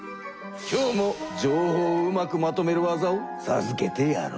今日も情報をうまくまとめる技をさずけてやろう。